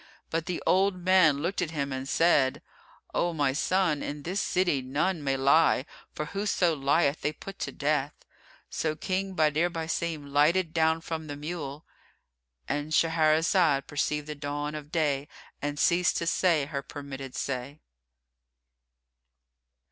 But the old man looked at him and said, "O my son, in this city none may lie, for whoso lieth they put to death." So King Badr Basim lighted down from the mule.——And Shahrazad perceived the dawn of day and ceased to say her permitted say.